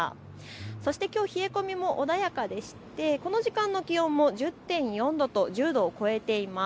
そしてきょう冷え込みも穏やかでしてこの時間の気温も１０．４度と１０度を超えています。